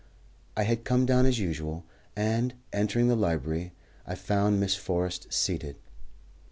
I had come down as usual, and, entering the library, I found Miss Forrest seated.